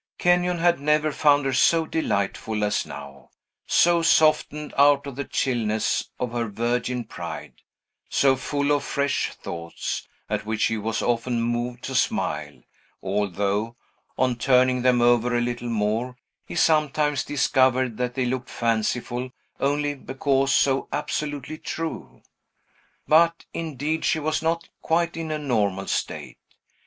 Kenyon had never found her so delightful as now; so softened out of the chillness of her virgin pride; so full of fresh thoughts, at which he was often moved to smile, although, on turning them over a little more, he sometimes discovered that they looked fanciful only because so absolutely true. But, indeed, she was not quite in a normal state.